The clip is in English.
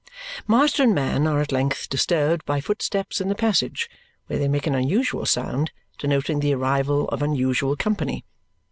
Master and man are at length disturbed by footsteps in the passage, where they make an unusual sound, denoting the arrival of unusual company.